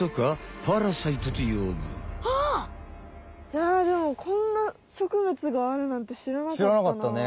いやでもこんな植物があるなんてしらなかったな。